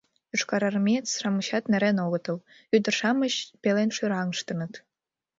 Йошкарармеец-шамычат нерен огыт ул: ӱдыр-шамыч пелен шӱраҥыштыныт...